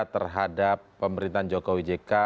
terhadap pemerintahan jokowi ck